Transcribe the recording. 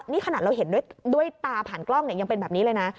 นี่ขนาดเราเห็นด้วยตาผ่านกล้องยังเป็นแบบนี้เลยนะ